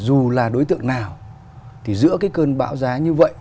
dù là đối tượng nào thì giữa cái cơn bão giá như vậy